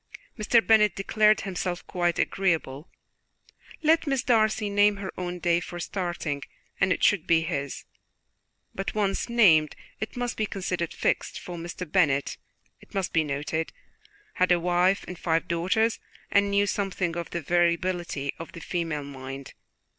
Mr. Bennet declared himself quite agreeable; let Miss Darcy name her own day for starting, and it should be his; but once named, it must be considered fixed, for Mr. Bennet, it must be noted, had a wife and five daughters, and knew something of the variability of the female mind.